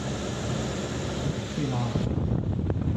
贝拉尔。